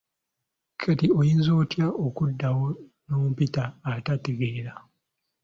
Kati oyinza otya okuddaawo n'ompita atategeera?